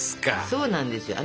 そうなんですよ。